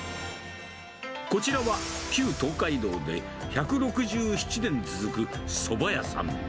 こちらは、旧東海道で１６７年続くそば屋さん。